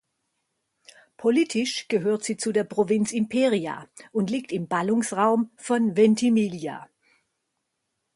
Politisch gehört sie zu der Provinz Imperia und liegt im Ballungsraum von Ventimiglia.